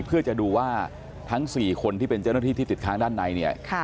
เพื่อจะดูว่าทั้ง๔คนที่เป็นเจ้าหน้าที่ที่ติดค้างด้านในเนี่ย